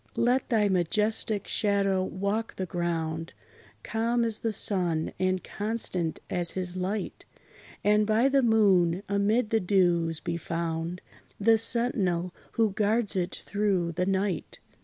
Let thy majestic shadow walk the ground, Calm as the sun, and constant as his light; And by the moon, amid the dews, be found The sentinel, who guards it through the night.